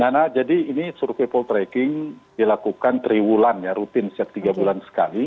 nah jadi ini survei poltrek dilakukan triwulan ya rutin setiga bulan sekali